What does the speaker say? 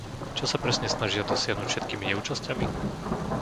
Čo sa presne snažia dosiahnuť všetkými neúčasťami?